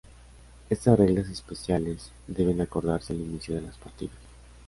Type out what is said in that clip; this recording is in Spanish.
Estas reglas especiales deben acordarse al inicio de las partidas.